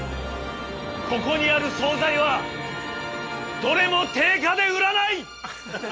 ここにある総菜はどれも定価で売らない！